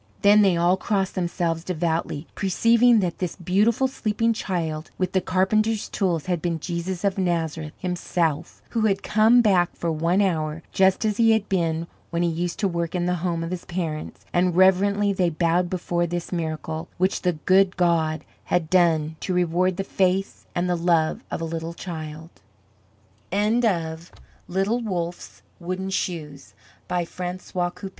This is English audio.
Then, they all crossed themselves devoutly, perceiving that this beautiful sleeping child with the carpenter's tools had been Jesus of Nazareth himself, who had come back for one hour just as he had been when he used to work in the home of his parents; and reverently they bowed before this miracle, which the good God had done to reward the faith and the love of a little child. XVI. CHRISTMAS IN THE ALLEY* * From "Kristy's Queer Christmas," Hough